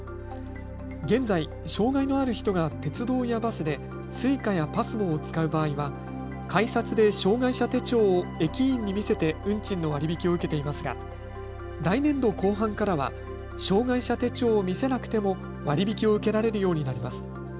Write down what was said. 現在、障害のある人が鉄道やバスでＳｕｉｃａやＰＡＳＭＯを使う場合は改札で障害者手帳を駅員に見せて運賃の割引を受けていますが来年度後半からは障害者手帳を見せなくても割引を受けられるようになります。